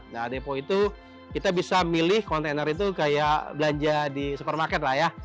nah depo itu kita bisa milih kontainer itu kayak belanja di supermarket lah ya